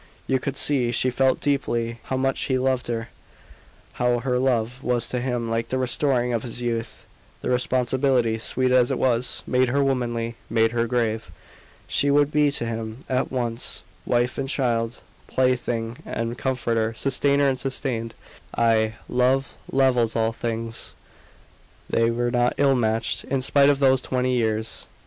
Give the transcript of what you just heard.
You could see she felt deeply how much he loved her how her love was to him like the restoring of his youth. The responsibility, sweet as it was, made her womanly, made her grave. She would be to him at once wife and child, plaything and comforter, sustainer and sustained. Ay, love levels all things. They were not ill matched, in spite of those twenty years.